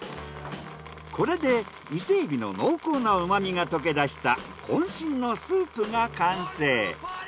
これで伊勢海老の濃厚な旨みが溶け出した渾身のスープが完成。